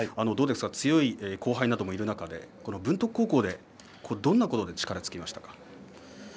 強い後輩などもいる中で文徳高校でどんなことで力がつきましたか？